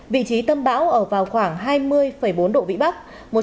vị trí tâm bão ở vào khoảng hai mươi bốn độ vĩ bắc